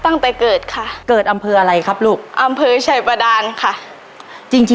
งีพลุค๑๙๘ซื่อ